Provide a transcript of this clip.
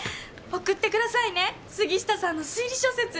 送ってくださいね杉下さんの推理小説。